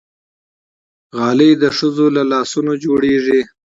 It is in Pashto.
غالۍ د ښځو له لاسونو جوړېږي.